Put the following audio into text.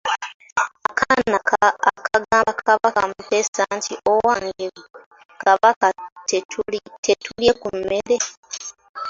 Akaana akagamba Kabaka Muteesa nti owange ggwe Kabaka tetuulye ku mmere!